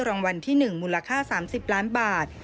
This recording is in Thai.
รางวัลที่๑มูลค่า๓๐ล้านบาท